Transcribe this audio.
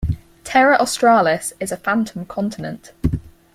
Terra Australis is a phantom continent.